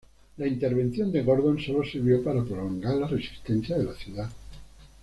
La intervención de Gordon solo sirvió para prolongar la resistencia de la ciudad.